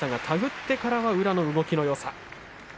手繰ってからは宇良の動きのよさ。